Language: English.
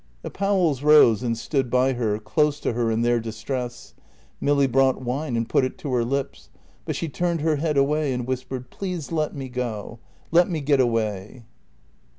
The Powells rose and stood by her, close to her, in their distress. Milly brought wine and put it to her lips; but she turned her head away and whispered, "Please let me go. Let me get away."